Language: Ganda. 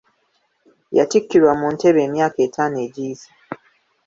Yattikirwa mu ntebe emyaka etaano egiyise.